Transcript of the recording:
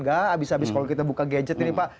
gak habis habis kalau kita buka gadget ini pak